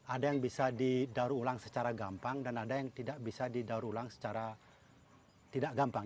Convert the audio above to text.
ada yang bisa didaru ulang secara gampang dan ada yang tidak bisa didaur ulang secara tidak gampang